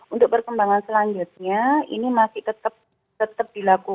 untuk perkembangan selanjutnya ini masih tetap dilakukan